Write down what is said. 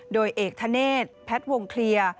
โดยเอกทะเนตแพทวงเคลียร์